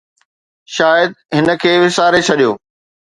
شايد هن کي وساري ڇڏيو